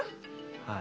はい。